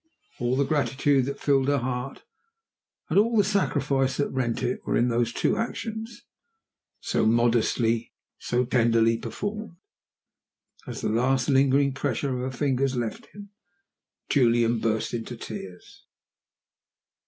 All the gratitude that filled her heart and all the sacrifice that rent it were in those two actions so modestly, so tenderly performed! As the last lingering pressure of her fingers left him, Julian burst into tears.